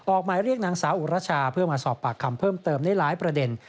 ออกหมายเรียกนางสาวอุรชาเพื่อมาสอบปากคำเพิ่มเติมได้หลายประเด็น